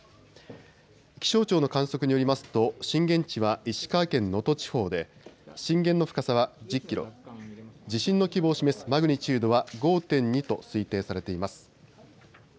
気象庁の観測によりますと震源地は石川県能登地方で震源の深さは１０キロ、地震の規模を示すマグニチュードは５．２と推定されています。